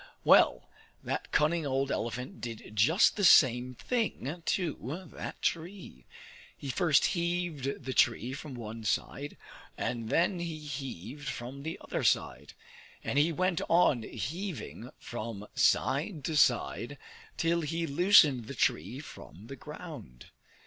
Well, that cunning old elephant did just the same thing to that tree; he first heaved the tree from one side, and then he heaved from the other side; and he went on heaving from side to side, till he loosened the tree from the ground.